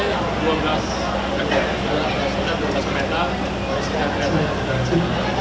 kalau orang step tiver sudah punya diberkati